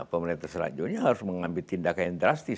pemerintah selanjutnya harus mengambil tindakan yang drastis